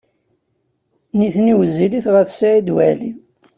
Nitni wezzilit ɣef Saɛid Waɛli.